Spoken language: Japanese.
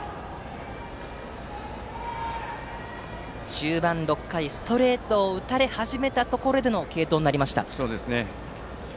中盤６回、ストレートを打たれ始めたところでの継投になりました。